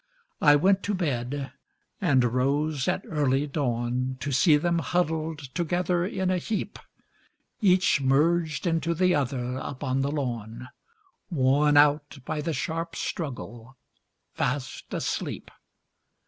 I went to bed and rose at early dawn To see them huddled together in a heap, Each merged into the other upon the lawn, Worn out by the sharp struggle, fast asleep.